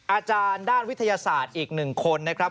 อาจารย์ด้านวิทยาศาสตร์อีก๑คนนะครับ